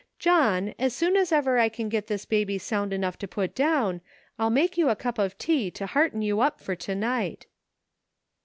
John, as soon as ever I can get this baby sound enough to put down I'll make you a cup of tea to hearten you up for to night."